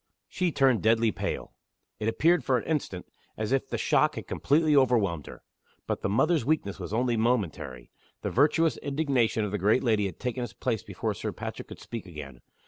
She turned deadly pale. It appeared, for an instant, as if the shock had completely overwhelmed her. But the mother's weakness was only momentary The virtuous indignation of the great lady had taken its place before Sir Patrick could speak again.